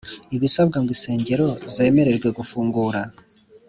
ibisabwa ngo insengero zemererwe gufungura.